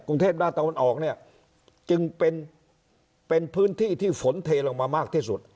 งเทพด้านตะวันออกเนี่ยจึงเป็นเป็นพื้นที่ที่ฝนเทลงมามากที่สุด